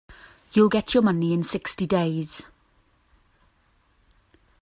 You'll get your money in sixty days.